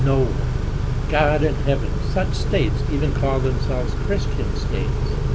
No One! God in heaven, such states even call themselves Christian states.